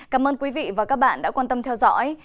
cảm ơn quý vị và các bạn đã quan tâm theo dõi